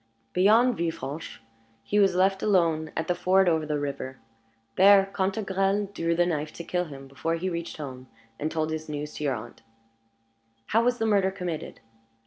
Beyond Villefranche, he was left alone at the ford over the river. There Cantegrel drew the knife to kill him before he reached home and told his news to your aunt." "How was the murder committed?"